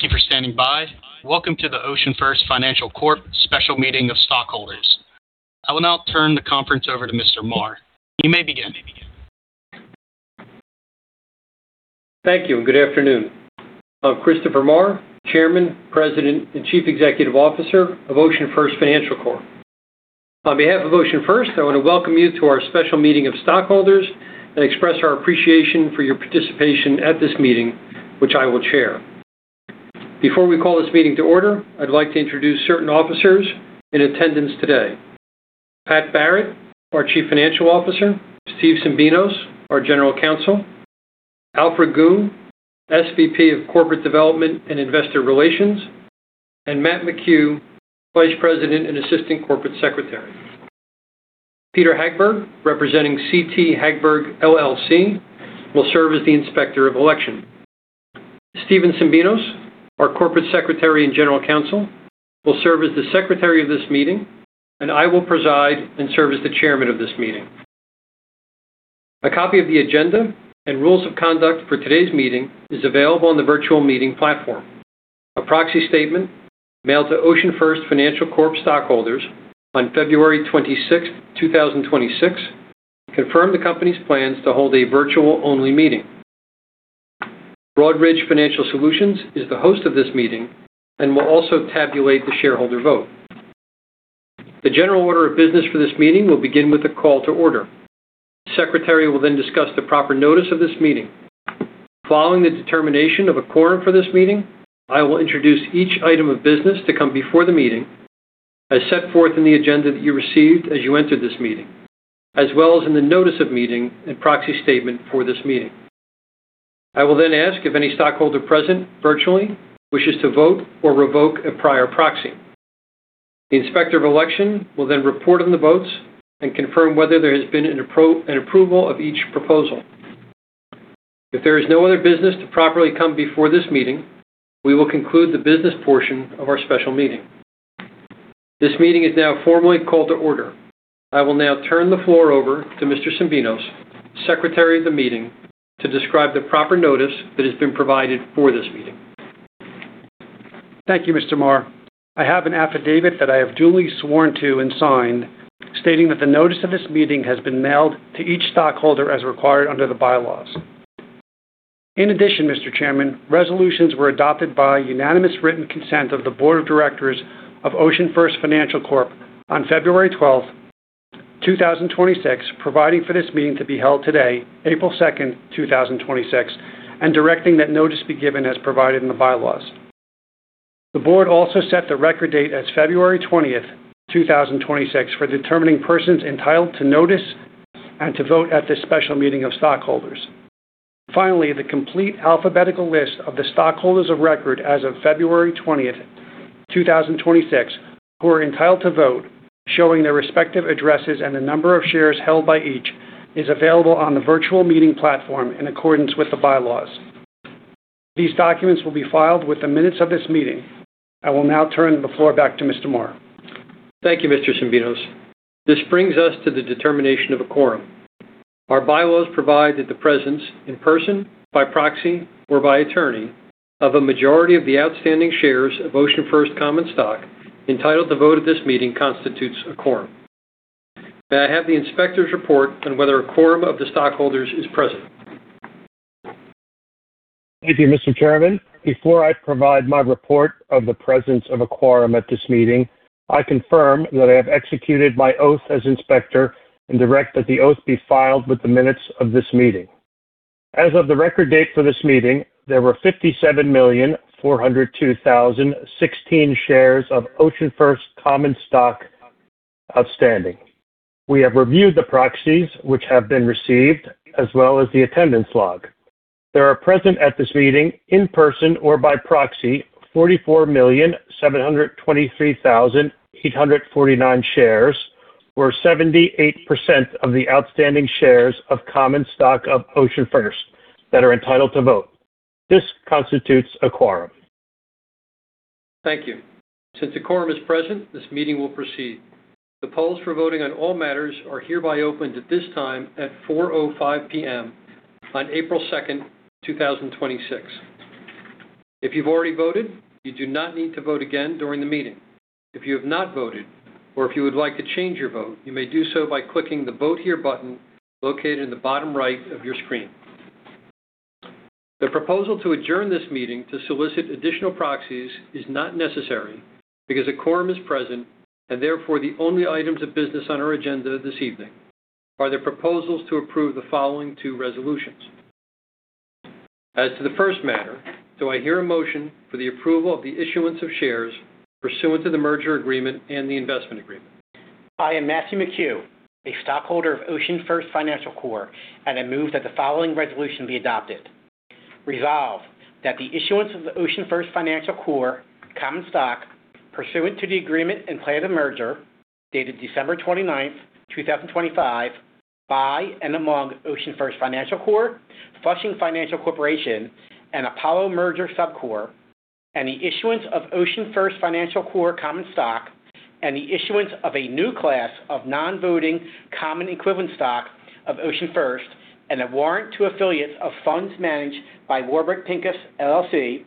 Thank you for standing by. Welcome to the OceanFirst Financial Corp special meeting of stockholders. I will now turn the conference over to Mr. Maher. You may begin. Thank you, and good afternoon. I'm Christopher Maher, Chairman, President, and Chief Executive Officer of OceanFirst Financial Corp On behalf of OceanFirst, I want to welcome you to our special meeting of stockholders and express our appreciation for your participation at this meeting, which I will chair. Before we call this meeting to order, I'd like to introduce certain officers in attendance today. Pat Barrett, our Chief Financial Officer; Steve Tsimbinos, our General Counsel; Alfred Goon, SVP of Corporate Development and Investor Relations; and Matt McHugh, Vice President and Assistant Corporate Secretary. Peter Hagberg, representing CT Hagberg LLC, will serve as the Inspector of Election. Steven Tsimbinos, our Corporate Secretary and General Counsel, will serve as the Secretary of this meeting, and I will preside and serve as the chairman of this meeting. A copy of the agenda and rules of conduct for today's meeting is available on the virtual meeting platform. A proxy statement mailed to OceanFirst Financial Corp stockholders on February 26, 2026 confirmed the company's plans to hold a virtual-only meeting. Broadridge Financial Solutions is the host of this meeting and will also tabulate the shareholder vote. The general order of business for this meeting will begin with a call to order. Secretary will then discuss the proper notice of this meeting. Following the determination of a quorum for this meeting, I will introduce each item of business to come before the meeting as set forth in the agenda that you received as you entered this meeting, as well as in the notice of meeting and proxy statement for this meeting. I will then ask if any stockholder present virtually wishes to vote or revoke a prior proxy. The Inspector of Election will then report on the votes and confirm whether there has been an approval of each proposal. If there is no other business to properly come before this meeting, we will conclude the business portion of our special meeting. This meeting is now formally called to order. I will now turn the floor over to Mr. Tsimbinos, Secretary of the meeting, to describe the proper notice that has been provided for this meeting. Thank you, Mr. Maher. I have an affidavit that I have duly sworn to and signed, stating that the notice of this meeting has been mailed to each stockholder as required under the bylaws. In addition, Mr. Chairman, resolutions were adopted by unanimous written consent of the Board of Directors of OceanFirst Financial Corp on February 12, 2026, providing for this meeting to be held today, April 2, 2026, and directing that notice be given as provided in the bylaws. The board also set the record date as February 20, 2026 for determining persons entitled to notice and to vote at this special meeting of stockholders. Finally, the complete alphabetical list of the stockholders of record as of February 20, 2026, who are entitled to vote, showing their respective addresses and the number of shares held by each, is available on the virtual meeting platform in accordance with the bylaws. These documents will be filed with the minutes of this meeting. I will now turn the floor back to Mr. Maher. Thank you, Mr. Tsimbinos. This brings us to the determination of a quorum. Our bylaws provide that the presence in person, by proxy, or by attorney of a majority of the outstanding shares of OceanFirst common stock entitled to vote at this meeting constitutes a quorum. May I have the Inspector's report on whether a quorum of the stockholders is present. Thank you, Mr. Chairman. Before I provide my report of the presence of a quorum at this meeting, I confirm that I have executed my oath as inspector and direct that the oath be filed with the minutes of this meeting. As of the record date for this meeting, there were 57,402,016 shares of OceanFirst common stock outstanding. We have reviewed the proxies which have been received, as well as the attendance log. There are present at this meeting in person or by proxy 44,723,849 shares, or 78% of the outstanding shares of common stock of OceanFirst that are entitled to vote. This constitutes a quorum. Thank you. Since a quorum is present, this meeting will proceed. The polls for voting on all matters are hereby opened at this time at 4:05 P.M. on April 2, 2026. If you've already voted, you do not need to vote again during the meeting. If you have not voted or if you would like to change your vote, you may do so by clicking the Vote Here button located in the bottom right of your screen. The proposal to adjourn this meeting to solicit additional proxies is not necessary because a quorum is present, and therefore, the only items of business on our agenda this evening are the proposals to approve the following two resolutions. As to the first matter, do I hear a motion for the approval of the issuance of shares pursuant to the merger agreement and the investment agreement? I am Matthew McHugh, a stockholder of OceanFirst Financial Corp, and I move that the following resolution be adopted. Resolved that the issuance of the OceanFirst Financial Corp common stock pursuant to the agreement and plan of merger dated December 29, 2025, by and among OceanFirst Financial Corp, Flushing Financial Corporation, and Apollo Merger Sub Corp, and the issuance of a new class of non-voting common equivalent stock of OceanFirst and a warrant to affiliates of funds managed by Warburg Pincus LLC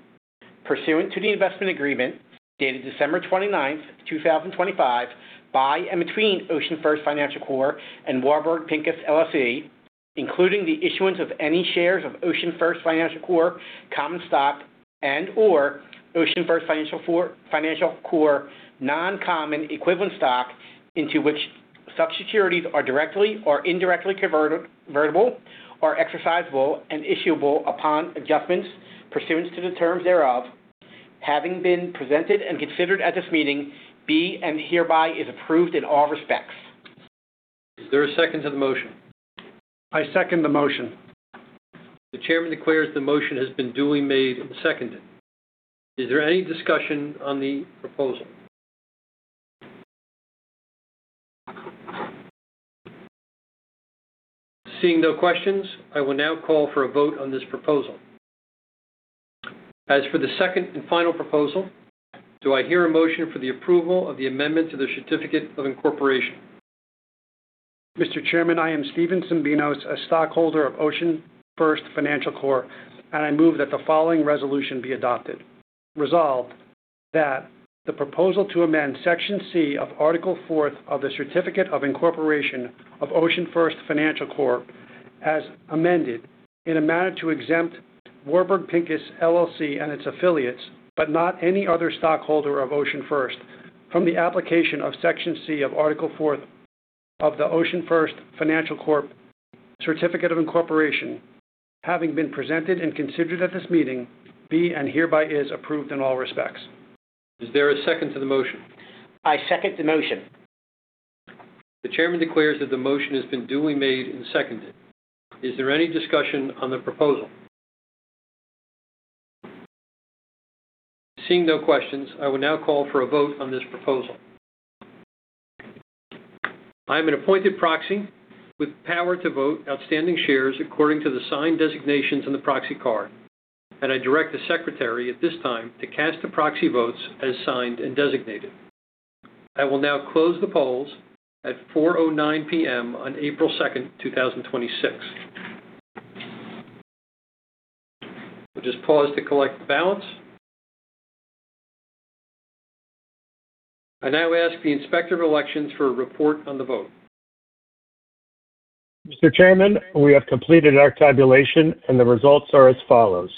pursuant to the investment agreement dated December 29, 2025 by and between OceanFirst Financial Corp and Warburg Pincus LLC, including the issuance of any shares of OceanFirst Financial Corp common stock and/or OceanFirst Financial Corp non-common equivalent stock into which such securities are directly or indirectly convertible or exercisable and issuable upon adjustments pursuant to the terms thereof having been presented and considered at this meeting, and hereby is approved in all respects. Is there a second to the motion? I second the motion. The Chairman declares the motion has been duly made and seconded. Is there any discussion on the proposal? Seeing no questions, I will now call for a vote on this proposal. As for the second and final proposal, do I hear a motion for the approval of the amendment to the Certificate of Incorporation? Mr. Chairman, I am Steven Tsimbinos, a stockholder of OceanFirst Financial Corp, and I move that the following resolution be adopted. Resolved that the proposal to amend section C of Article Fourth of the Certificate of Incorporation of OceanFirst Financial Corp, as amended in a manner to exempt Warburg Pincus LLC and its affiliates, but not any other stockholder of OceanFirst from the application of section C of Article Fourth of the OceanFirst Financial Corp Certificate of Incorporation, having been presented and considered at this meeting, be, and hereby is approved in all respects. Is there a second to the motion? I second the motion. The chairman declares that the motion has been duly made and seconded. Is there any discussion on the proposal? Seeing no questions, I will now call for a vote on this proposal. I am an appointed proxy with power to vote outstanding shares according to the signed designations on the proxy card, and I direct the secretary at this time to cast the proxy votes as signed and designated. I will now close the polls at 4:09 P.M. on April 2, 2026. We'll just pause to collect the ballots. I now ask the Inspector of Election for a report on the vote. Mr. Chairman, we have completed our tabulation and the results are as follows.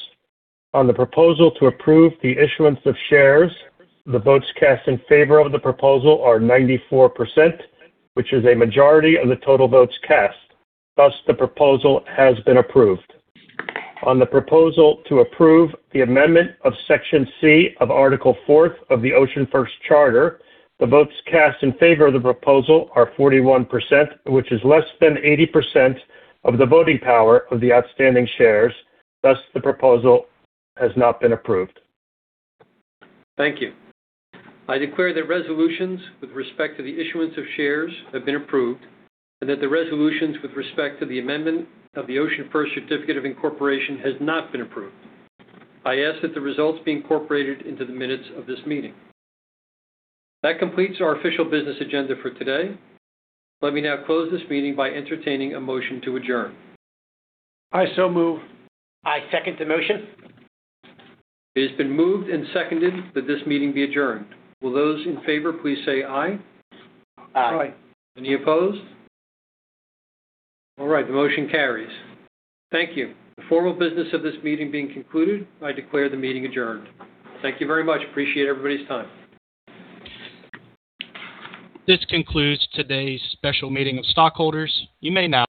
On the proposal to approve the issuance of shares, the votes cast in favor of the proposal are 94%, which is a majority of the total votes cast. Thus, the proposal has been approved. On the proposal to approve the amendment of section C of Article Fourth of the OceanFirst charter, the votes cast in favor of the proposal are 41%, which is less than 80% of the voting power of the outstanding shares. Thus, the proposal has not been approved. Thank you. I declare the resolutions with respect to the issuance of shares have been approved and that the resolutions with respect to the amendment of the OceanFirst Certificate of Incorporation has not been approved. I ask that the results be incorporated into the minutes of this meeting. That completes our official business agenda for today. Let me now close this meeting by entertaining a motion to adjourn. I so move. I second the motion. It has been moved and seconded that this meeting be adjourned. Will those in favor please say aye? Aye. Aye. Any opposed? All right, the motion carries. Thank you. The formal business of this meeting being concluded, I declare the meeting adjourned. Thank you very much. Appreciate everybody's time. This concludes today's special meeting of stockholders. You may now-